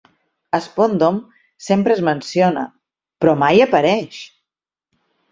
Spondon sempre es menciona, però mai apareix!